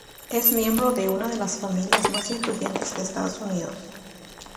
Es miembro de una de las familias más influyentes de Estados Unidos.